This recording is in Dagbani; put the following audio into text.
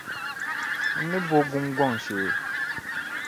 N ni bo gungɔŋ shee.